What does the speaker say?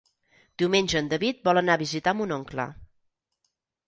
Diumenge en David vol anar a visitar mon oncle.